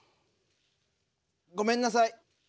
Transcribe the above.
ごめんなさい。